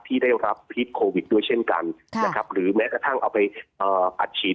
ที่ได้รับพิษโควิดด้วยเช่นกันนะครับหรือแม้กระทั่งเอาไปอัดฉีด